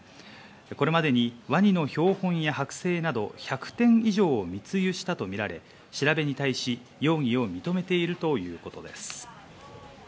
これまでにワニの標本や剥製など１００点以上を密輸したとみられ、調べに対し容疑を認めているということです。